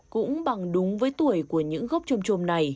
cũng bằng đúng với tuổi của mình